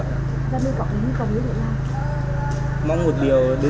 sao mưu cậu cũng không biết để làm